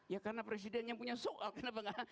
ya karena presiden yang punya soal kenapa gak